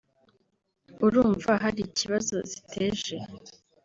urumva hari ikibazo ziteje